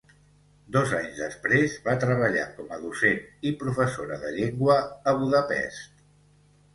Dos anys després va treballar com a docent i professora de llengua a Budapest.